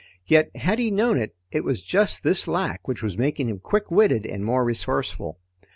Yet had he known it, it was just this lack which was making him quick witted and more resourceful.